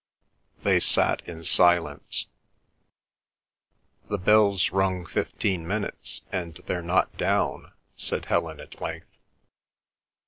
They sat in silence. "The bell's run fifteen minutes and they're not down," said Helen at length.